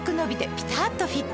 ピタっとフィット！